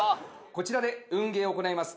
こちらで運ゲーを行います。